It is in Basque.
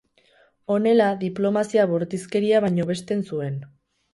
Honela, diplomazia bortizkeria baino hobesten zuen.